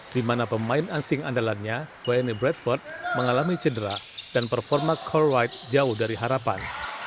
di mana pemain asing andalannya wayanney bradford mengalami cedera dan performa core right jauh dari harapan